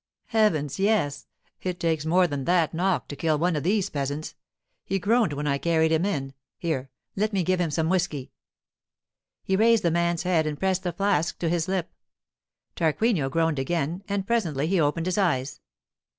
'Heavens, yes! It takes more than that knock to kill one of these peasants. He groaned when I carried him in. Here, let me give him some whisky.' He raised the man's head and pressed the flask to his lip. Tarquinio groaned again, and presently he opened his eyes.